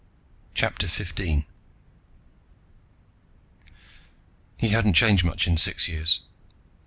CHAPTER FIFTEEN He hadn't changed much in six years.